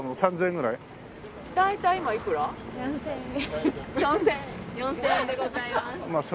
４０００円でございます。